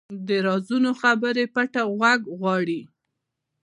د رازونو خبرې پټه غوږ غواړي